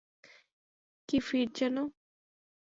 কী fit যেন?